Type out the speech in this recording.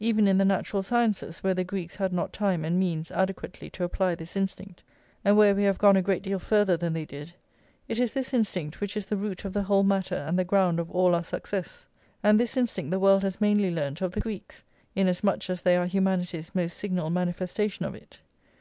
Even in the natural sciences, where the Greeks had not time and means adequately to apply this instinct, and where we have gone a great deal further than they did, it is this instinct which is the root of the whole matter and the ground of all our success; and this instinct the world has mainly learnt of the Greeks, inasmuch as they are humanity's most signal manifestation of it.